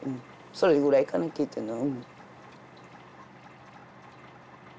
それぐらいかな聞いたの。